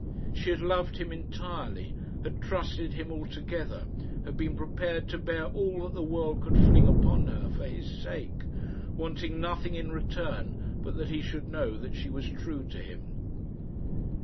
She had loved him entirely, had trusted him altogether, had been prepared to bear all that the world could fling upon her for his sake, wanting nothing in return but that he should know that she was true to him.